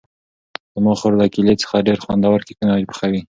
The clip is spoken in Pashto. زما خور له کیلې څخه ډېر خوندور کېکونه پخوي.